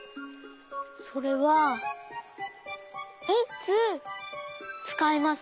それはいつつかいますか？